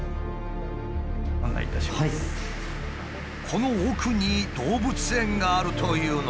この奥に動物園があるというのだが。